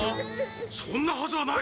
そんなはずはない！